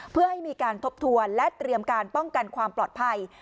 เพื่อให้มีการทบทวนและเตรียมการป้องกันความปลอดภัย